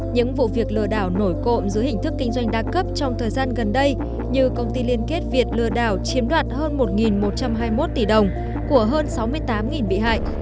những vụ việc lừa đảo nổi cộng giữa hình thức kinh doanh đa cấp trong thời gian gần đây như công ty liên kết việt lừa đảo chiếm đoạt hơn một một trăm hai mươi một tỷ đồng của hơn sáu mươi tám bị hại